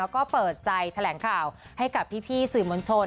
ก็เปิดใจแถลงข่าวให้กับพี่สื่อมวลชน